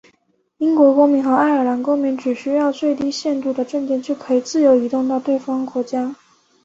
英国公民和爱尔兰公民只需要最低限度的证件就可以自由移动到对方国家。